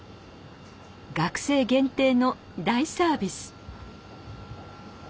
学生限定の大サービス。